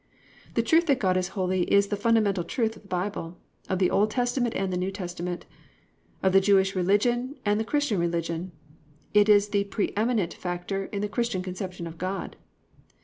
The truth that God is holy is the fundamental truth of the Bible, of the Old Testament and the New Testament, of the Jewish religion and the Christian religion. It is the preëminent factor in the Christian conception of God.